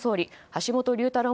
橋本龍太郎